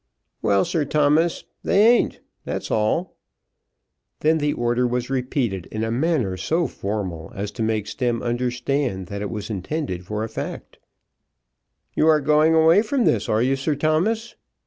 "Well, Sir Thomas; they ain't; that's all." Then the order was repeated in a manner so formal, as to make Stemm understand that it was intended for a fact. "You are going away from this; are you, Sir Thomas?"